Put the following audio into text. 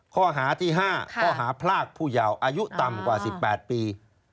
ข้อหาที่๕ข้อหาพรากผู้ยาวอายุต่ำกว่า๑๘ปี